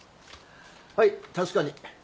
はい確かに。